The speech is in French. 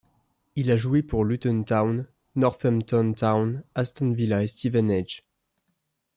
Il a joué pour Luton Town, Northampton Town, Aston Villa et Stevenage.